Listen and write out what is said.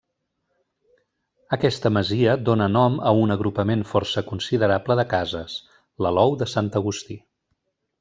Aquesta masia dóna nom a un agrupament força considerable de cases, l'Alou de Sant Agustí.